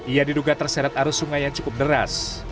ia diduga terseret arus sungai yang cukup deras